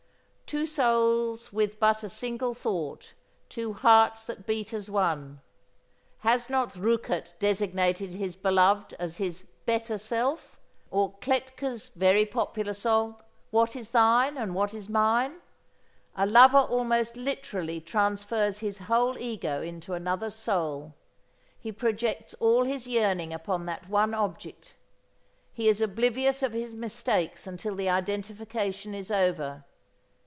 "Two souls with but a single thought; two hearts that beat as one." Has not Rückert designated his beloved as his "better self"? (Or Kletke's very popular song: "What is thine and what is mine?") A lover almost literally transfers his whole ego into another's soul. He projects all his yearning upon that one object. He is oblivious of his mistakes until the identification is over.